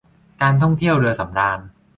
การท่องเที่ยวเรือสำราญ